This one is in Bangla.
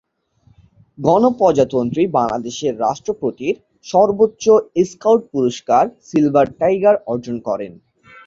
গণপ্রজাতন্ত্রী বাংলাদেশের রাষ্ট্রপতির সর্বোচ্চ স্কাউট পুরস্কার 'সিলভার টাইগার' অর্জন করেন।